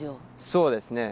そうですね。